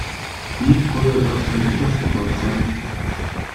Wie teuer darf eine Klassenfahrt sein?